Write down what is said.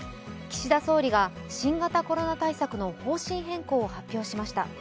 岸田総理が新型コロナ対策の方針変更を発表しました。